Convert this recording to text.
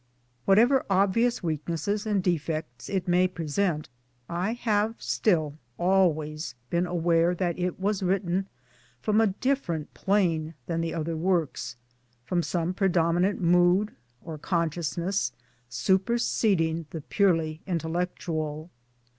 Whatever obvious weaknesses and defects it may present, I have still always been aware that it was written from a different plane from the other works, from some predominant mood or consciousness super seding the purely intellectual.